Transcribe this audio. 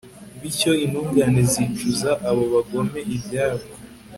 bityo intungane zicuza abo bagome ibyabo